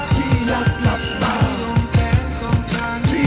ที่รักหลับตา